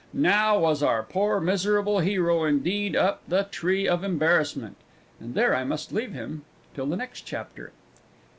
Now was our poor miserable hero indeed up the tree of embarrassment and there I must leave him till the next chapter.